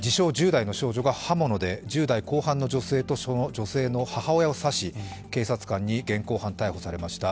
１０代の少女が１０代後半の少女と、その女性の母親を刺し、警察官に現行犯逮捕されました。